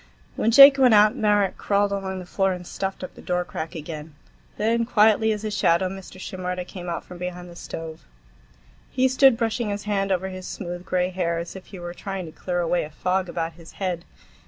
When Jake went out, Marek crawled along the floor and stuffed up the door crack again. Then, quietly as a shadow, Mr. Shimerda came out from behind the stove. He stood brushing his hand over his smooth gray hair, as if he were trying to clear away a fog about his head.